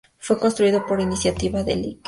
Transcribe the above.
Fue construido por iniciativa del Lic.